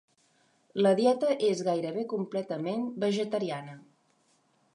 La dieta és gairebé completament vegetariana.